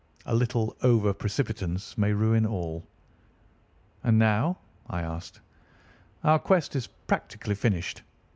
A little over precipitance may ruin all." "And now?" I asked. "Our quest is practically finished.